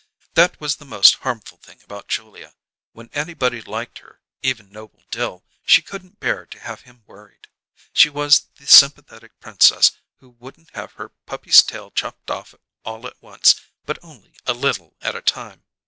That was the most harmful thing about Julia; when anybody liked her even Noble Dill she couldn't bear to have him worried. She was the sympathetic princess who wouldn't have her puppy's tail chopped off all at once, but only a little at a time.